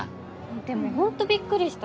でもほんとびっくりした。